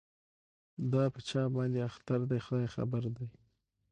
دا په چا باندي اختر دی خداي خبر دی